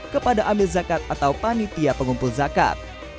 kepada amil zakat atau panitia pengumpul zakat